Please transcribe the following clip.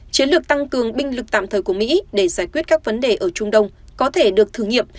chiến lược tăng cường binh lực tạm thời của mỹ để giải quyết các vấn đề ở trung đông có thể được thử nghiệm